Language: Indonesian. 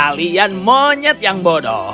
kalian monyet yang bodoh